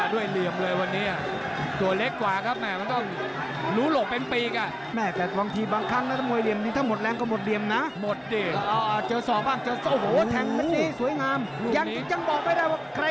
ดีกันคนละแบบครับน้ำเงินนี่โกงแล้วแทงแหลมได้ดี